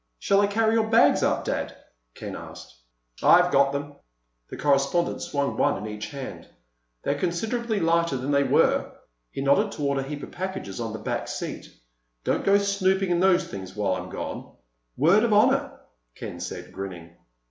"Shall I carry your bags up, Dad?" Ken asked. "I've got them." The correspondent swung one in each hand. "They're considerably lighter than they were." He nodded toward a heap of packages on the back seat. "Don't go snooping in those things while I'm gone." "Word of honor," Ken said, grinning.